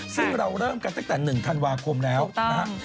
ซึ่งเราเริ่มกันตั้งแต่๑ธันวาคมแล้วนะครับ